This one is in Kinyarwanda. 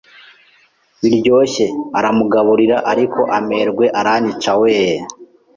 biryoshye aramugaburira ariko amerwe aranyica weeee